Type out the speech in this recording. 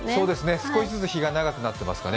少しずつ日が長くなっていますかね。